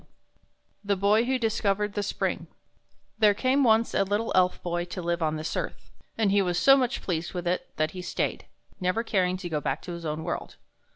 22 The Boy Who Discovered the Spring T HERE came once a little Elf Boy to live on this earth, and he was so much pleased with it that he stayed, never caring to go back to his own world.